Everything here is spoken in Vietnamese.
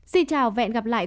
xin chào và hẹn gặp lại